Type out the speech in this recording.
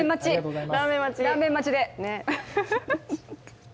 ラーメン待ちで。